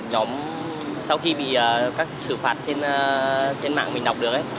nhóm sau khi bị các xử phạt trên mạng mình đọc được ấy